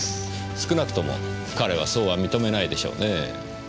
少なくとも彼はそうは認めないでしょうね。